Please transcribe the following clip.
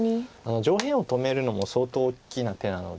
上辺を止めるのも相当大きな手なので。